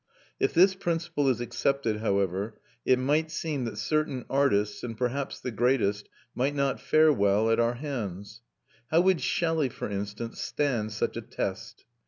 If this principle is accepted, however, it might seem that certain artists, and perhaps the greatest, might not fare well at our hands. How would Shelley, for instance, stand such a test?